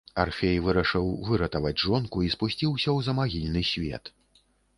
Арфей вырашыў выратаваць жонку і спусціўся ў замагільны свет.